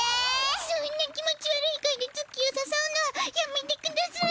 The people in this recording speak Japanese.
そんな気持ち悪い声でツッキーをさそうのはやめてください。